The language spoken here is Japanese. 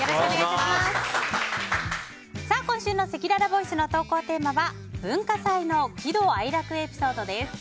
今週のせきららボイスの投稿テーマは文化祭の喜怒哀楽エピソードです。